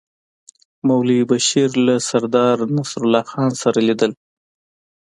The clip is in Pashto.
مولوي بشیر له سردار نصرالله خان سره لیدل.